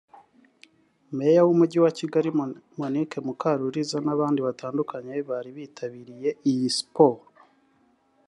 Meya w’Umujyi wa Kigali Monique Mukaruliza n’abandi batandukanye bari bitabiriye iyi siporo